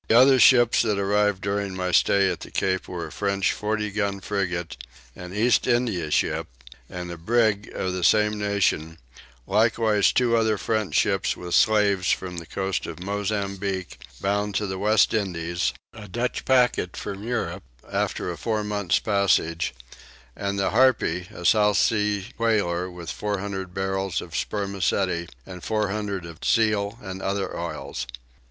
Other ships that arrived during my stay at the Cape were a French 40 gun frigate, an East India ship, and a brig, of the same nation: likewise two other French ships with slaves from the coast of Mozambique bound to the West Indies: a Dutch packet from Europe, after a four months passage: and the Harpy, a South Sea Whaler with 500 barrels of spermaceti, and 400 of seal and other oils.